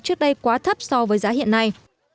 trước đây quá thấp so với giá hiện nay